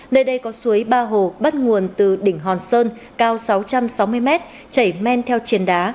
nơi đây có suối ba hồ bắt nguồn từ đỉnh hòn sơn cao sáu trăm sáu mươi mét chảy men theo triền đá